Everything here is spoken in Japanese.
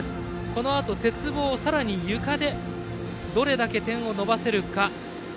このあと鉄棒、さらにゆかでどれだけ点を伸ばせるか。